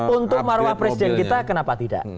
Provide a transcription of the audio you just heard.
untuk marwah presiden kita kenapa tidak